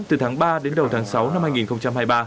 từ tháng ba đến đầu tháng sáu năm hai nghìn hai mươi ba